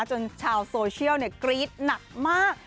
จนชาวโซเชียลกรี๊ดหนักมาก